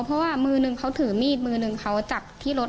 เพราะว่ามือนึงเขาถือมีดมือหนึ่งเขาจับที่รถ